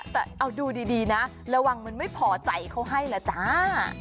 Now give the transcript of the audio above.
แต่เอาดูดีนะระวังมันไม่พอใจเขาให้ล่ะจ้า